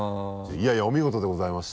いやいやお見事でございました。